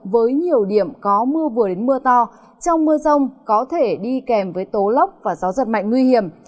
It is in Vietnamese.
với nhiều điểm có mưa vừa đến mưa to trong mưa rông có thể đi kèm với tố lốc và gió giật mạnh nguy hiểm